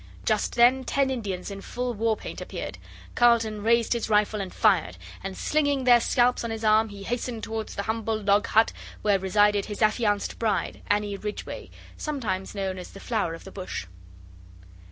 just then ten Indians in full war paint appeared. Carlton raised his rifle and fired, and slinging their scalps on his arm he hastened towards the humble log hut where resided his affianced bride, Annie Ridgway, sometimes known as the Flower of the Bush.